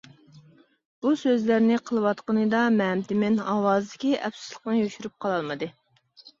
بۇ سۆزلەرنى قىلىۋاتقىنىدا مەمتىمىن ئاۋازىدىكى ئەپسۇسلۇقنى يوشۇرۇپ قالالمىدى.